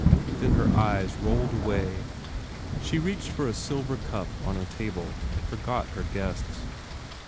then her eyes rolled away. She reached for a silver cup on a table and forgot her guests.